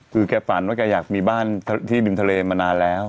คือแกฝันว่าแกอยากมีบ้านที่ริมทะเลมานานแล้ว